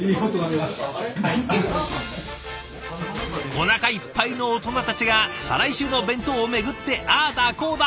おなかいっぱいのオトナたちが再来週の弁当を巡ってああだこうだ。